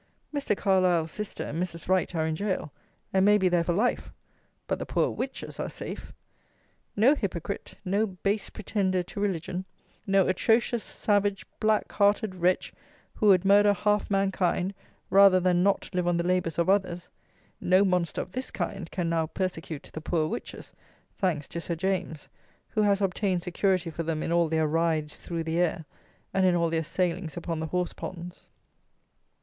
Mr. Carlile's sister and Mrs. Wright are in gaol, and may be there for life! But the poor witches are safe. No hypocrite: no base pretender to religion; no atrocious, savage, black hearted wretch, who would murder half mankind rather than not live on the labours of others; no monster of this kind can now persecute the poor witches, thanks to Sir James who has obtained security for them in all their rides through the air, and in all their sailings upon the horseponds!